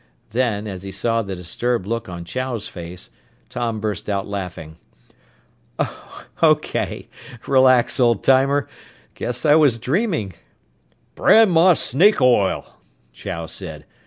Then, as he saw the disturbed look on Chow's face, Tom burst out laughing. "Okay. Relax, old timer! Guess I was dreaming." "Brand my snake oil!" Chow said.